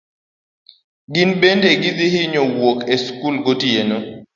Gin bende ne gihinyo wuok e skul gotieno.